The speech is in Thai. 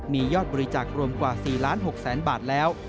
มียอดบริจาครวมกว่า๔๖๐๐๐บาทแล้ว